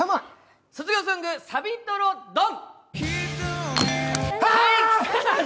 卒業ソング、サビトロドン！